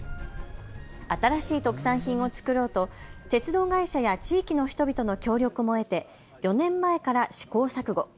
新しい特産品を作ろうと鉄道会社や地域の人々の協力も得て４年前から試行錯誤。